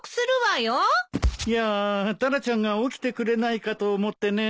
いやタラちゃんが起きてくれないかと思ってね。